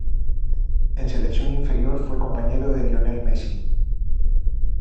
En selección inferior fue compañero de Lionel Messi.